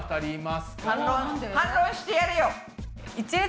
反論してやれよ。